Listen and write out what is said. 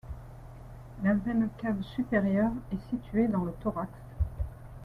La veine cave supérieure est située dans le thorax.